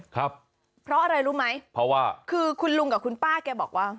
ครับเพราะอะไรรู้ไหมเพราะว่าคือคุณลุงกับคุณป้าแกบอกว่า